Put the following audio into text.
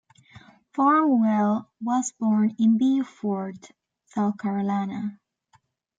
Barnwell was born in Beaufort, South Carolina.